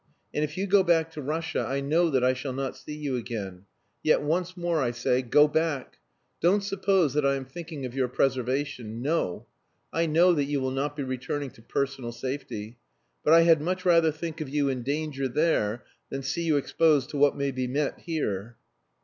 And if you go back to Russia I know that I shall not see you again. Yet once more I say: go back! Don't suppose that I am thinking of your preservation. No! I know that you will not be returning to personal safety. But I had much rather think of you in danger there than see you exposed to what may be met here."